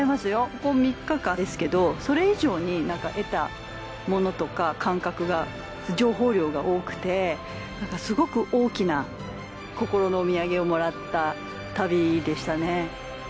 ここ３日間ですけどそれ以上に得たものとか感覚が情報量が多くてすごく大きな心のお土産をもらった旅でしたね。